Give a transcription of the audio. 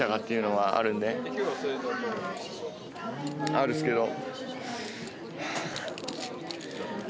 あるんですけど。